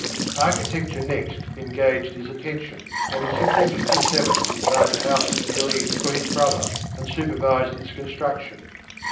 _ _Architecture next engaged his attention, and in 1657 he designed a house at Viry for his brother and supervised its construction.